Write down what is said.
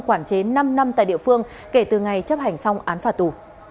quản chế năm năm tại địa phương kể từ ngày chấp hành xong án phạt tù